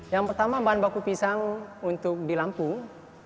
yang pertama bahan baku pisang untuk di lampung